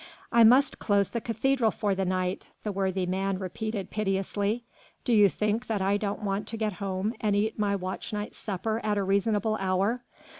"I must close the cathedral for the night," the worthy man repeated piteously, "do you think that I don't want to get home and eat my watch night supper at a reasonable hour.